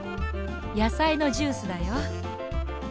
やさいのジュースだよ。